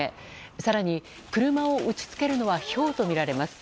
更に車を打ち付けるのはひょうとみられます。